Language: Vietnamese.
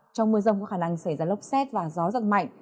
trong mưa rông có khả năng xảy ra lốc xét và gió giật mạnh